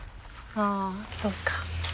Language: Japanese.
あそうか。